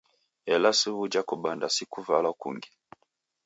Ela sw'uja kubanda si kuvalwa kungi?